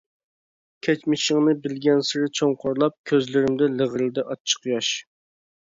كەچمىشىڭنى بىلگەنسېرى چوڭقۇرلاپ، كۆزلىرىمدە لىغىرلىدى ئاچچىق ياش.